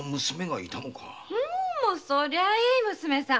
そりゃいい娘さん。